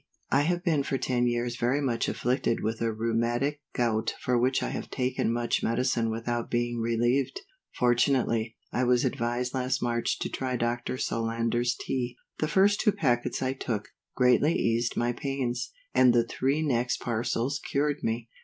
_ I have been for ten years very much afflicted with a rheumatic gout for which I have taken much medicine without being relieved; fortunately, I was advised last March to try Dr. Solander's Tea; the first two packets I took, greatly eased my pains; and the three next parcels cured me.